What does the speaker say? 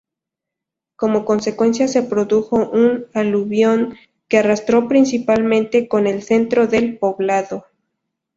Como consecuencia se produjo un aluvión que arrasó principalmente con el centro del poblado.